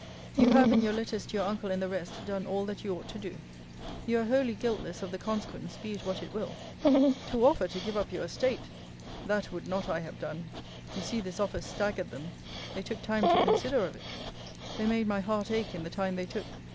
You have, in your letters to your uncle and the rest, done all that you ought to do. You are wholly guiltless of the consequence, be it what it will. To offer to give up your estate! That would not I have done! You see this offer staggered them: they took time to consider of it. They made my heart ache in the time they took.